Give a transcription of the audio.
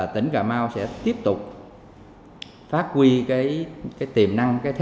tỉnh cà mau sẽ tiếp tục phát huy tiềm năng